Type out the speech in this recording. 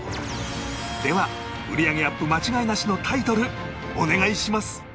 では売り上げアップ間違いなしのタイトルお願いします！